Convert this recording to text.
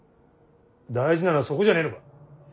大事なのはそこじゃねえのか。